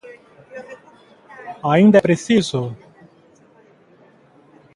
Aínda é preciso?